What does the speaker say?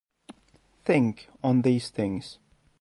Think on these things.